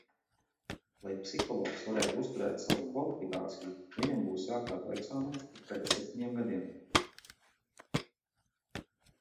Lai psihologs varētu uzturēt savu kvalifikāciju, viņam būs jākārto eksāmens ik pēc septiņiem gadiem.